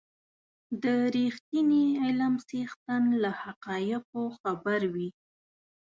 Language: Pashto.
د رښتيني علم څښتن له حقایقو خبر وي.